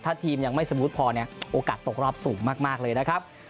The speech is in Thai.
ถ้าทีมยังไม่สมูทพอเนี่ยโอกาสตกรอบสูงมากเลยนะครับ